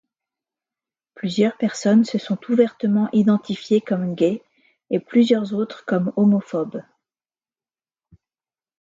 Plusieurs personnes se sont ouvertement identifiées comme gay, et plusieurs autres comme homophobes.